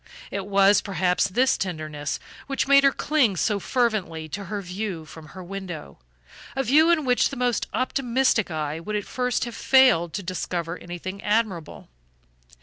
It was, perhaps, this tenderness which made her cling so fervently to her view from her window, a view in which the most optimistic eye would at first have failed to discover anything admirable.